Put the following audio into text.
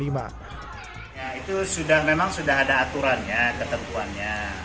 ya itu memang sudah ada aturannya ketentuannya